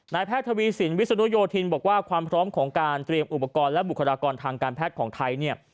แพทย์ทวีสินวิศนุโยธินบอกว่าความพร้อมของการเตรียมอุปกรณ์และบุคลากรทางการแพทย์ของไทยเนี่ย